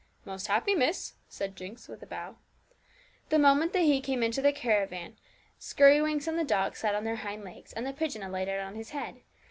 'Most happy, miss,' said Jinx, with a bow. The moment that he came into the caravan, Skirrywinks and the dog sat on their hind legs, and the pigeon alighted on his head.